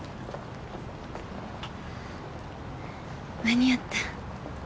間に合った。